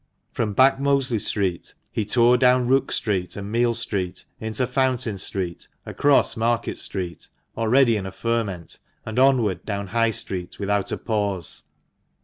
From Back Mosley Street he tore down Rook Street and Meal Street, into Fountain Street, across Market Street — already in a ferment — and onward down High Street without a pause.